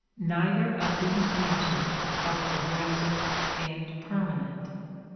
Neither of these mentioned are progressive and permanent.